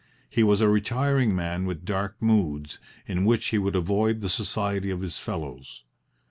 He was a retiring man with dark moods, in which he would avoid the society of his fellows.